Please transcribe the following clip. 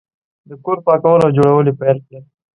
د کور پاکول او جوړول یې پیل کړل.